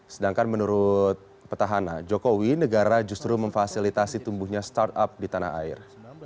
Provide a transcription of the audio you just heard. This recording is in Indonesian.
sedangkan menurut petahana jokowi negara justru memfasilitasi tumbuhnya startup di tanah air